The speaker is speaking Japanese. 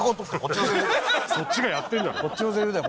そっちがやってんだよ。